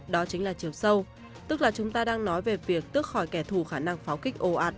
đó chính là chiều sâu tức là chúng ta đang nói về việc tước khỏi kẻ thù khả năng pháo kích ồ ạt